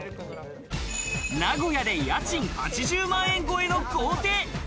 名古屋で家賃８０万円超えの豪邸。